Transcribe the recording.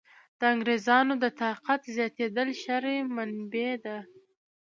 د انګرېزانو د طاقت زیاتېدل شر منبع ده.